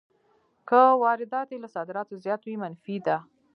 که واردات یې له صادراتو زیات وي منفي ده